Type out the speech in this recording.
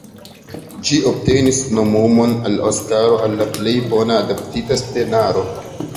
Ĝi obtenis nomumon al Oskaro al la plej bona adaptita scenaro.